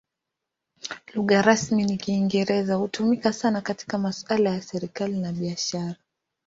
Lugha rasmi ni Kiingereza; hutumika sana katika masuala ya serikali na biashara.